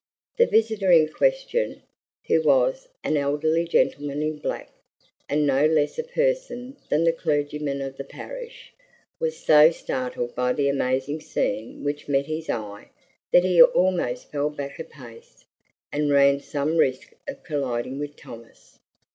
The visitor in question, who was an elderly gentleman in black, and no less a person than the clergyman of the parish, was so startled by the amazing scene which met his eye, that he almost fell back a pace, and ran some risk of colliding with Thomas.